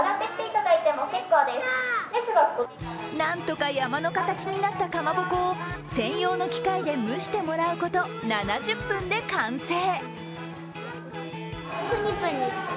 なんとか山の形になったかまぼこを専用の機械で蒸してもらうこと７０分で完成。